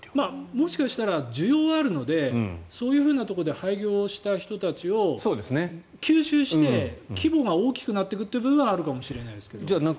もしかしたら需要はあるのでそういうところで廃業した人たちを吸収して規模が大きくなっていく部分はあるかもしれませんが。